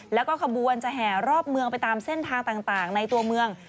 แล้วก็ขบวนจะแห่รอบเมืองไปตามเส้นทางต่างในตัวเมือง